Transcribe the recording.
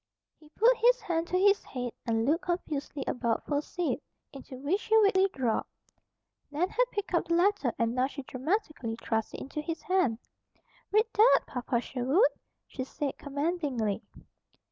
He put his hand to his head and looked confusedly about for a seat, into which he weakly dropped. Nan had picked up the letter and now she dramatically thrust it into his hand. "Read that, Papa Sherwood!" she said commandingly.